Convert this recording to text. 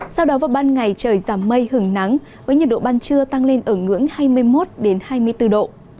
sau đó vào ban ngày trời giảm mây hưởng nắng với nhiệt độ ban trưa tăng lên ở ngưỡng hai mươi một hai mươi bốn độ